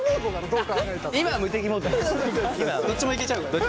どっちも行けちゃうから。